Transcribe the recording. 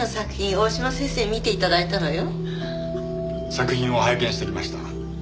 作品を拝見してきました。